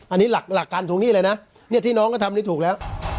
อันนี้หลักการทวงหนี้เลยนะเนี่ยที่น้องก็ทำได้ถูกแล้ว